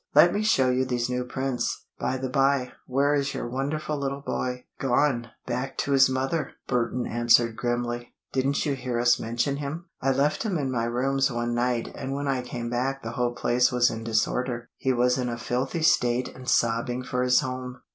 "Let me show you these new prints. By the bye, where is your wonderful little boy?" "Gone back to his mother!" Burton answered grimly. "Didn't you hear us mention him? I left him in my rooms one night and when I came back the whole place was in disorder. He was in a filthy state and sobbing for his home."